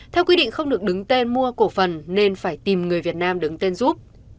theo quy định không được đứng tên mua cổ phần nên phải tìm người việt nam đứng tên giúp